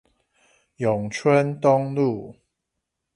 永春東路